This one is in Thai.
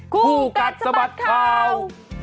คู่กัดสะบัดข่าว